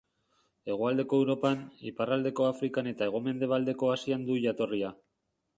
Hegoaldeko Europan, iparraldeko Afrikan eta hego-mendebaldeko Asian du jatorria.